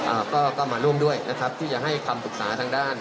อ่าก็ก็มาร่วมด้วยนะครับที่จะให้คำปรึกษาทางด้าน